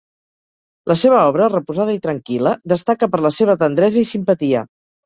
La seva obra, reposada i tranquil·la, destaca per la seva tendresa i simpatia.